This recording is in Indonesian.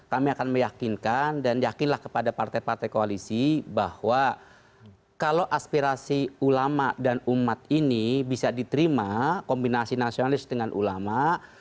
kami akan meyakinkan dan yakinlah kepada partai partai koalisi bahwa kalau aspirasi ulama dan umat ini bisa diterima kombinasi nasionalis dengan ulama